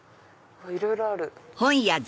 いろいろある。